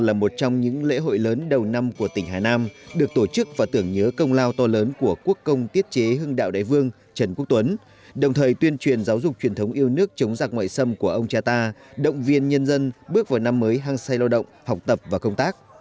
đây là một trong những lễ hội lớn đầu năm của tỉnh hà nam được tổ chức và tưởng nhớ công lao to lớn của quốc công tiết chế hưng đạo đại vương trần quốc tuấn đồng thời tuyên truyền giáo dục truyền thống yêu nước chống giặc ngoại xâm của ông cha ta động viên nhân dân bước vào năm mới hăng say lao động học tập và công tác